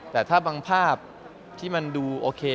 แต่ถ้าบางภาพที่มันดูโอเค